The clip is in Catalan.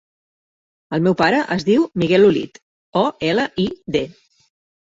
El meu pare es diu Miguel Olid: o, ela, i, de.